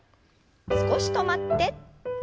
少し止まって。